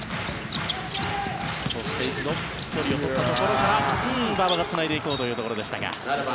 そして、一度距離を取ったところから馬場がつないでいこうというところでしたが。